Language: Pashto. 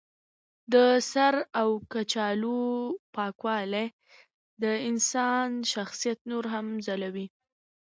د سر او کالو پاکوالی د انسان شخصیت نور هم ځلوي.